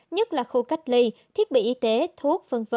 nhất là khu cách ly thiết bị y tế thuốc